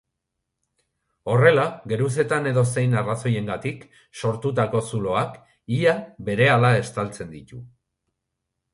Horrela, geruzetan edozein arrazoirengatik sortutako zuloak ia berehala estaltzen ditu.